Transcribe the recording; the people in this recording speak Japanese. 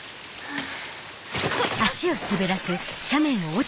あっ！